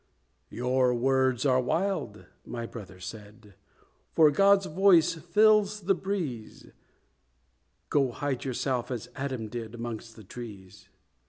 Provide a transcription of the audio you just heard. "Your words are wild," my brother said, "For God's voice fills the breeze; Go hide yourself, as Adam did, Amongst the trees.